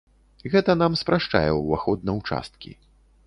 Гэта нам спрашчае ўваход на ўчасткі.